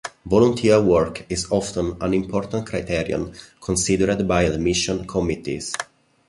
Volunteer work is often an important criterion considered by admission committees.